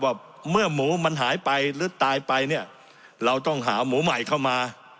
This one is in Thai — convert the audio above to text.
ว่าเมื่อหมูมันหายไปหรือตายไปเนี่ยเราต้องหาหมูใหม่เข้ามา